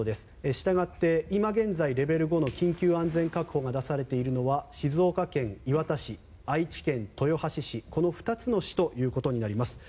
したがって、今現在レベル５の緊急安全確保が出されているのは静岡県磐田市愛知県豊橋市の２つの市となります。